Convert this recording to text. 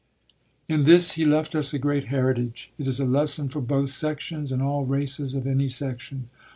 In this he left us a great heritage; it is a lesson for both sections, and all races of any section.